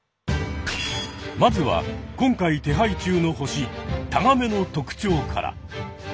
まずは今回手配中のホシタガメの特徴から。